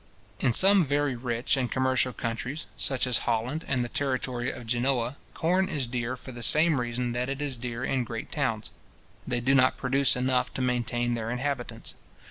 In some very rich and commercial countries, such as Holland and the territory of Genoa, corn is dear for the same reason that it is dear in great towns. They do not produce enough to maintain their inhabitants.